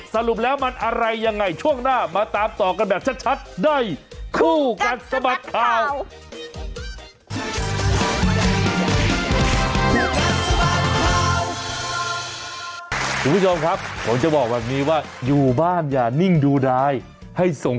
สรุปแล้วมันอะไรยังไงช่วงหน้ามาตามต่อกันแบบชัดได้